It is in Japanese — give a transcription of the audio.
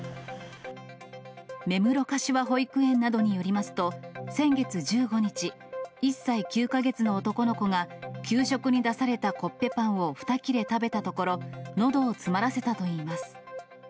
めむろかしわ保育園などによりますと、先月１５日、１歳９か月の男の子が、給食に出されたコッペパンを２切れ食べたところ、のどを詰まらせたといいます。